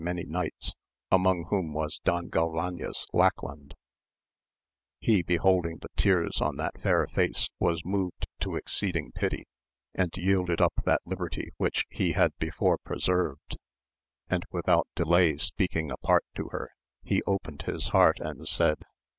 ny knights, among whom was Don Galvanes Lackland ; he beholding the tears on that fair face was moved to exceeding pity, and yielded up that liberty which he had before preserved, and without delay speaking apart to her, he opened his heart and said.